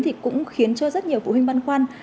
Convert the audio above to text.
thì cũng khiến cho rất nhiều phụ huynh băn khoăn